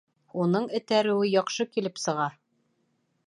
Уның этәреүе яҡшы килеп сыға